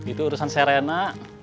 itu urusan serena